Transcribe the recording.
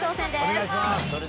お願いします。